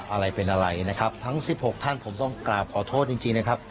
อะไรเป็นอะไรนะครับทั้งสิบหกท่านผมต้องกราบขอโทษจริงจริงนะครับ